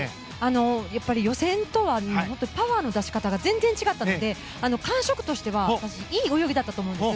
予選とはパワーの出し方が全然違ったので感触としてはいい泳ぎだったと思います。